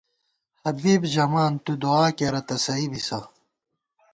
حبیب ژَمان تُو دُعا کېرہ تہ سَئ بِسہ